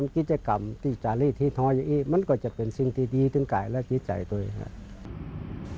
กิจกรรมที่จะเรียกที่ท้อยอีกมันก็จะเป็นสิ่งที่ดีทั้งกายและกิจใจตัวเอง